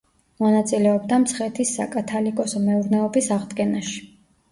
მონაწილეობდა მცხეთის საკათალიკოსო მეურნეობის აღდგენაში.